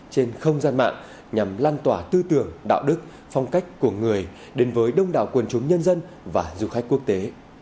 trên không gian mạng nhằm lan tỏa tư tưởng đạo đức phong cách của người đến với đông đảo quần chúng nhân dân và du khách quốc tế